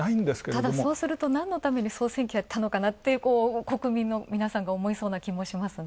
ただそうすると何のために総選挙やったのかなと国民の皆さんが思いそうな気もしますね。